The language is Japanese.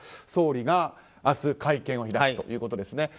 総理が明日会見を開くということです。